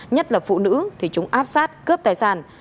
nhất là phụ nữ thì chúng áp sát cướp tài sản